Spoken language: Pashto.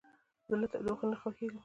زه له تودوخې نه خوښیږم.